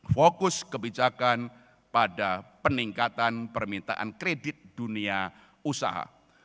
fokus kebijakan pada peningkatan permintaan kredit dunia usaha